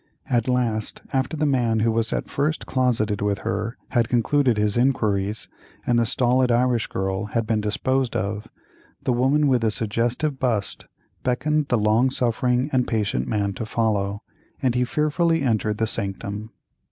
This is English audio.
At last, after the man who was at first closeted with her had concluded his inquiries, and the stolid Irish girl had been disposed of, the woman with the suggestive bust beckoned the long suffering and patient man to follow, and he fearfully entered the sanctum.